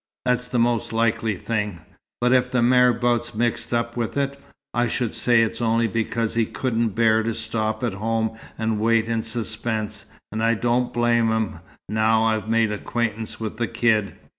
That's the most likely thing. But if the marabout's mixed up with it, I should say it's only because he couldn't bear to stop at home and wait in suspense, and I don't blame him, now I've made acquaintance with the kid.